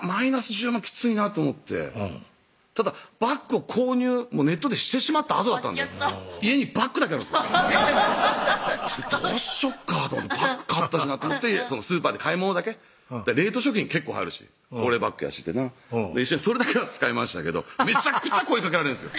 きついなと思ってただバッグを購入ネットでしてしまったあとだったんで家にバッグだけあるんですどうしよっかと思ってバッグ買ったしなと思ってスーパーで買い物だけ冷凍食品結構入るし保冷バッグやしってなそれだけは使いましたけどめちゃくちゃ声かけられるんです